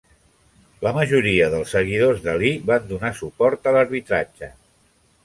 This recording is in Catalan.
La majoria dels seguidors d'Ali van donar suport a l'arbitratge.